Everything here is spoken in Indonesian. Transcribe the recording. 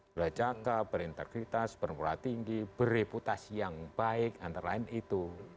belajar cakep berintegritas bermoral tinggi bereputasi yang baik antara lain itu